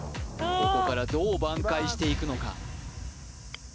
ここからどう挽回していくのか？